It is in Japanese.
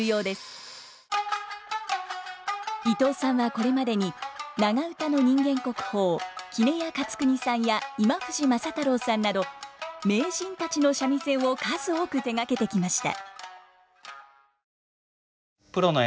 伊藤さんはこれまでに長唄の人間国宝杵屋勝国さんや今藤政太郎さんなど名人たちの三味線を数多く手がけてきました。